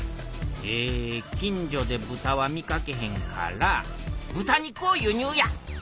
え近所で豚は見かけへんから豚肉を輸入や！